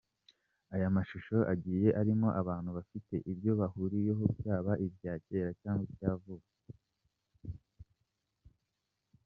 aya mashusho agiye arimo abantu bafite ibyo bahuriyeho byaba ibya kera cyangwa vuba.